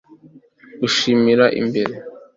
Gushimira imbere